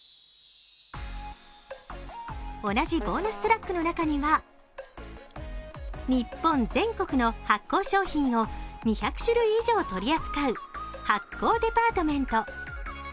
同じボーナストラックの中には日本全国の発酵商品を２００種類以上取り扱う発酵デパートメント。